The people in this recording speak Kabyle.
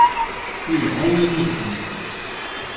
Yelha yinig-nni.